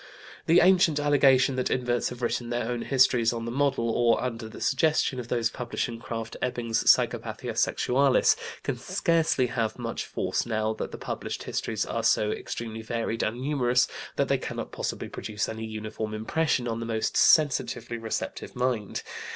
The ancient allegation that inverts have written their own histories on the model, or under the suggestion, of those published in Krafft Ebing's Psychopathia Sexualis can scarcely have much force now that the published histories are so extremely varied and numerous that they cannot possibly produce any uniform impression on the most sensitively receptive mind.